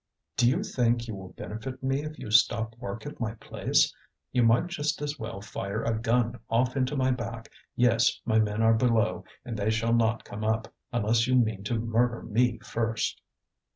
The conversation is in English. "Do you think you will benefit me if you stop work at my place? You might just as well fire a gun off into my back. Yes, my men are below, and they shall not come up, unless you mean to murder me first!"